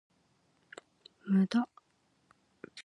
無駄